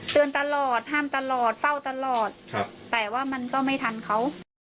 เตือนตลอดห้ามตลอดเฝ้าตลอดแต่ว่ามันก็ไม่ทันเขา